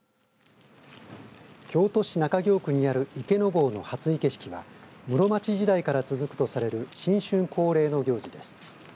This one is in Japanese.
京都市中京区にある池坊の初生け式は室町時代から続くとされる新春恒例の行事です。